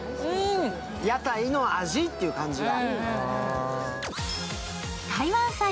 屋台の味っていう感じだ。